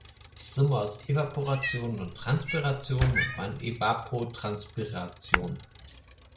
Die Summe aus Evaporation und Transpiration nennt man Evapotranspiration.